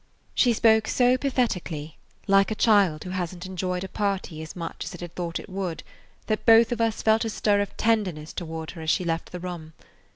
She spoke so pathetically, like a child who hasn't enjoyed a party as much as it had thought it would, that both of us [Page 61] felt a stir of tenderness toward her as she left the room.